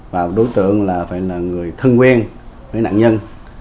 và đối tượng là phải là người thân quen với nạn nhân